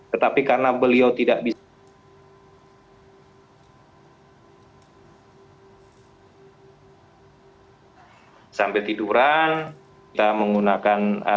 tetapi karena beliau tidak bisa